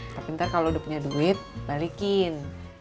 tapi ntar kalau udah punya duit balikin